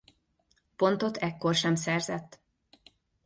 Pontot ekkor sem szerzett.